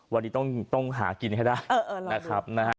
วันนี้ต้องหากินให้ได้นะครับนะฮะ